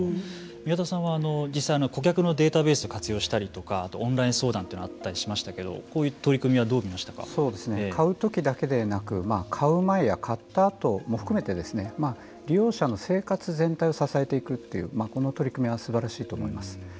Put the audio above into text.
宮田さんは実際顧客のデータベースを活用したりとかオンライン相談というのもあったりしましたけれどもこういう取り組みはどう見ましたか買うときだけでなく買う前や買ったあとも含めて利用者の生活全体を支えていくというこの取り組みはすばらしいと思います。